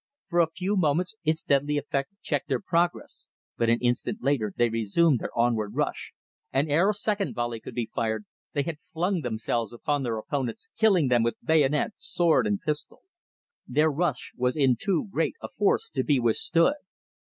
For a few moments its deadly effect checked their progress, but an instant later they resumed their onward rush, and ere a second volley could be fired they had flung themselves upon their opponents, killing them with bayonet, sword and pistol. Their rush was in too great a force to be withstood.